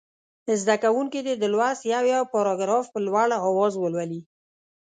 زده کوونکي دې د لوست یو یو پاراګراف په لوړ اواز ولولي.